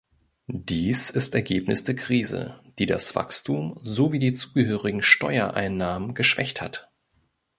Dies ist Ergebnis der Krise, die das Wachstum sowie die zugehörigen Steuereinnahmen geschwächt hat.